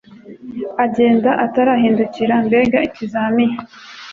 agenda atarahindukira mbega ikizami